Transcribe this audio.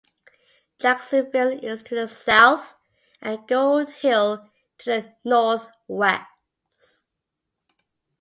Jacksonville is to the south and Gold Hill to the northwest.